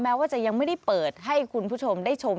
ว่าจะยังไม่ได้เปิดให้คุณผู้ชมได้ชม